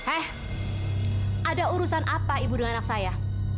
eh ada urusan apa ibu dengan anak saya